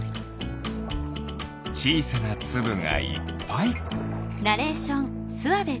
ちいさなつぶがいっぱい。